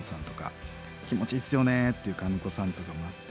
「気持ちいいっすよね」っていうカネコさんとかもあって。